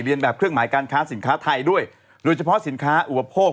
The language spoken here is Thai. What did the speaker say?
แบบเครื่องหมายการค้าสินค้าไทยด้วยโดยเฉพาะสินค้าอุปโภค